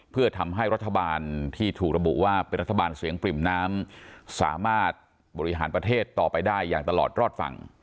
เพื่อทำให้รัฐบาลที่ถูกระบุว่าเป็นรัฐบาลเสียงปริ่มน้ำสามารถบริหารประเทศต่อไปได้อย่างตลอดรอดฝั่ง